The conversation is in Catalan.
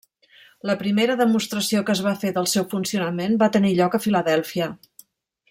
La primera demostració que es va fer del seu funcionament va tenir lloc a Filadèlfia.